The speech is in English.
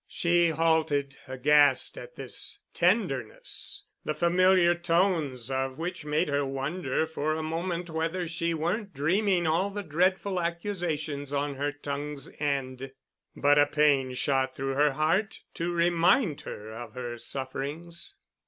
She halted, aghast at this tenderness, the familiar tones of which made her wonder for a moment whether she weren't dreaming all the dreadful accusations on her tongue's end. But a pain shot through her heart to remind her of her sufferings.